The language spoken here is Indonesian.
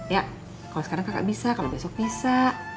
ya kalau sekarang kakak bisa kalau besok bisa